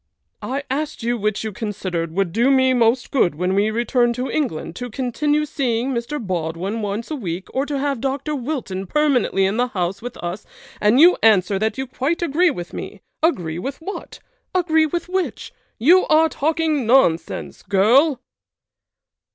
"I asked you which you considered would do me most good when we return to England, to continue seeing Sir Baldwin once a week or to have Dr. Wilton permanently in the house with us, and you answer that you quite agree with me! Agree with what? Agree with which? You are talking nonsense, girl!"